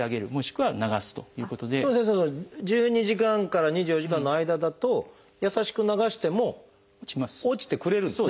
でも先生１２時間から２４時間の間だと優しく流しても落ちてくれるんですね。